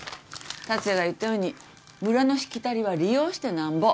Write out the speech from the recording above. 達也が言ったように村のしきたりは利用してなんぼ。